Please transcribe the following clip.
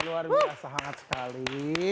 luar biasa hangat sekali